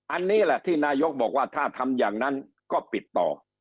อันนี้แหละที่นายกบอกว่าถ้าทำอย่างนั้นก็ปิดต่อ